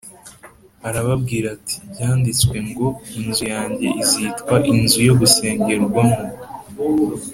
arababwira ati “Byanditswe ngo ‘Inzu yanjye izitwa inzu yo gusengerwamo’